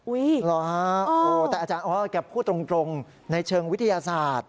อุ๊ยโอ้โฮแต่อาจารย์อ๊อตแกพูดตรงในเชิงวิทยาศาสตร์